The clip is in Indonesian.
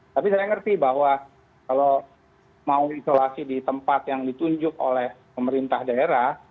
tapi saya ngerti bahwa kalau mau isolasi di tempat yang ditunjuk oleh pemerintah daerah